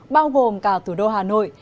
bao gồm cả thủ đô hà nội